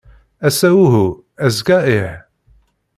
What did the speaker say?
Ass-a uhu, azekka, ih.